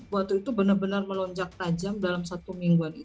waktu itu benar benar melonjak tajam dalam satu mingguan